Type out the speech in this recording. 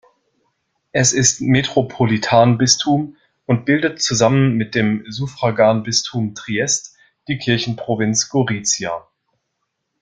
Es ist Metropolitanbistum und bildet zusammen mit dem Suffraganbistum Triest die Kirchenprovinz Gorizia.